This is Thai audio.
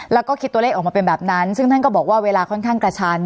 แล้วก็คิดตัวเลขออกมาเป็นแบบนั้นซึ่งท่านก็บอกว่าเวลาค่อนข้างกระชัน